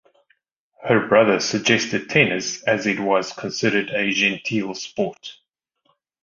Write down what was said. Her brother suggested tennis as it was considered a "genteel" sport.